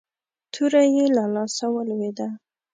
توره يې له لاسه ولوېده.